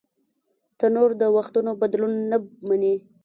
تنور د وختونو بدلون نهمني